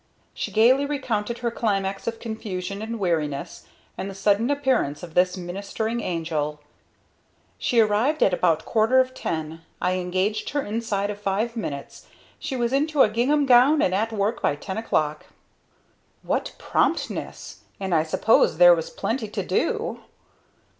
She gaily recounted her climax of confusion and weariness, and the sudden appearance of this ministering angel. "She arrived at about quarter of ten. I engaged her inside of five minutes. She was into a gingham gown and at work by ten o'clock!" "What promptness! And I suppose there was plenty to do!"